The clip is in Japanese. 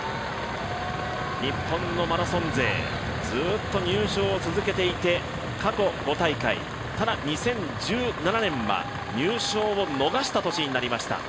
日本のマラソン勢ずっと入賞を続けていて過去５大会、ただ、２０１７年は入賞を逃した年になりました。